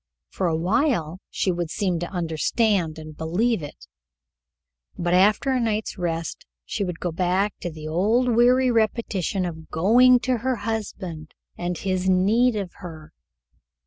For a while she would seem to understand and believe it, but after a night's rest she would go back to the old weary repetition of going to her husband and his need of her.